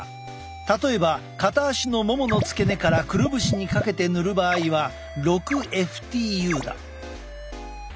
例えば片足のももの付け根からくるぶしにかけて塗る場合は６ＦＴＵだ。